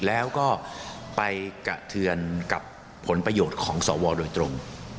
แล้วก็ไปกระเทือนกับผลประโยชน์ของสวโดยตรง